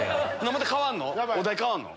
また変わんの？